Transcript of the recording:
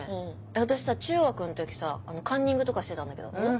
私さ中学の時さカンニングとかしてたんだけど。